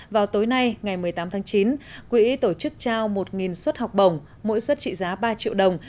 vào tối nay ngày một mươi tám tháng chín quỹ tổ chức trao một suất học bổng mỗi suất trị giá ba triệu đồng